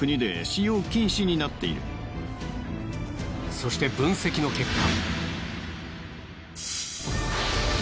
そして分析の結果。